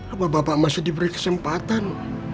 apa bapak masih diberi kesempatan